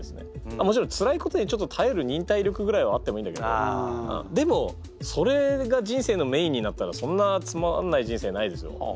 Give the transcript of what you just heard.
もちろんつらいことにたえる忍耐力ぐらいはあってもいいんだけどでもそれが人生のメインになったらそんなつまんない人生ないですよ。